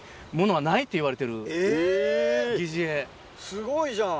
すごいじゃん！